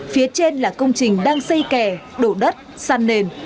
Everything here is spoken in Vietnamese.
phía trên là công trình đang xây kè đổ đất săn nền